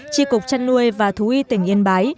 tri cục chăn nuôi và thú y tỉnh yên bái